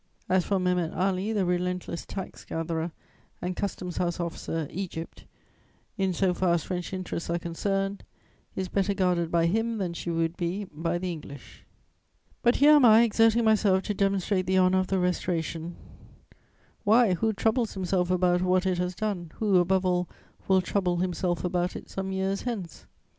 As for Mehemet Ali, the relentless tax gatherer and custom house officer, Egypt, in so far as French interests are concerned, is better guarded by him than she would be by the English. But here am I exerting myself to demonstrate the honour of the Restoration: why, who troubles himself about what it has done, who, above all, will trouble himself about it some years hence?